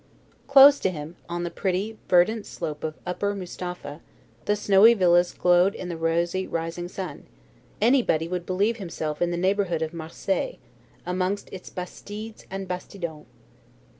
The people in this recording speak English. Close to him, on the pretty verdant slope of Upper Mustapha, the snowy villas glowed in the rosy rising sun: anybody would believe himself in the neighbourhood of Marseilles, amongst its bastides and bastidons.